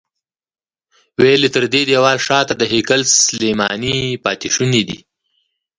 ویل یې تر دې دیوال شاته د هیکل سلیماني پاتې شوني دي.